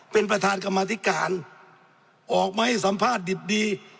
เป็นประธานกรรมธิการออกมาให้สัมภาษณ์ดิบดี